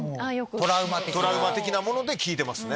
トラウマ的なもので聞いてますね。